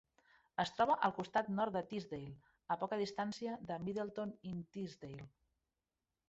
Es troba al costat nord de Teesdale, a poca distància de Middleton-in-Teesdale.